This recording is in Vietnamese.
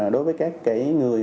đối với các người